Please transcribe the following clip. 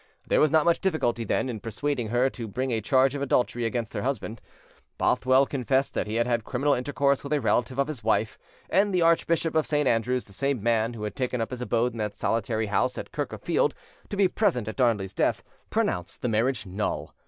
There was not much difficulty, then, in persuading her to bring a charge of adultery against her husband. Bothwell confessed that he had had criminal intercourse with a relative of his wife, and the Archbishop of St. Andrews, the same who had taken up his abode in that solitary house at Kirk of Field to be present at Darnley's death, pronounced the marriage null.